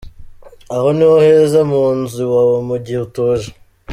Aho niho heza munzu Iwawa mugihe utuje